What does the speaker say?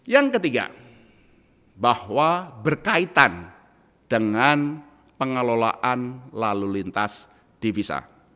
yang ketiga bahwa berkaitan dengan pengelolaan lalu lintas divisa